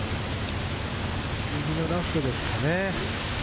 右のラフですかね。